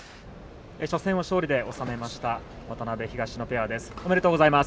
初戦を勝利で収めました渡辺、東野ペアです。